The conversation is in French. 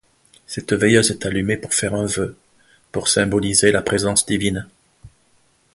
Cette veilleuse est allumée pour faire un vœu, pour symboliser la présence divine.